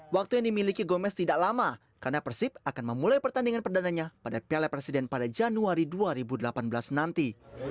waktu yang dimiliki gomez tidak lama karena persib akan memulai pertandingan perdananya pada piala presiden pada januari dua ribu delapan belas nanti